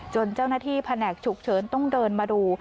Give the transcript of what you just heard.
เจ้าหน้าที่แผนกฉุกเฉินต้องเดินมาดู